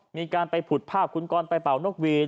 มีการไปผุดภาพคุณกรไปเป่านกวีน